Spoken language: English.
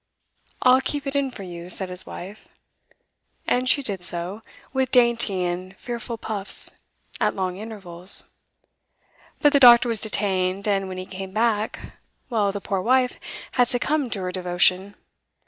'I'll keep it in for you,' said his wife. And she did so, with dainty and fearful puffs, at long intervals. But the doctor was detained, and when he came back well, the poor wife had succumbed to her devotion.